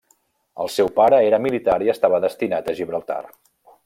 El seu pare era militar i estava destinat a Gibraltar.